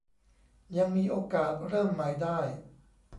ยังมีโอกาสเริ่มใหม่ได้